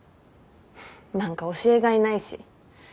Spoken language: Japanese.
何か教えがいないし。